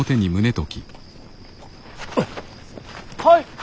はい。